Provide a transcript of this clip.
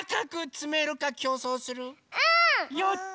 やった！